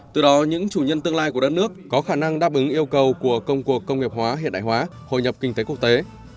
từ đó những chủ nhân tương lai của đất nước có khả năng đáp ứng yêu cầu của công cuộc công nghiệp hóa hiện đại hóa hội nhập kinh tế quốc tế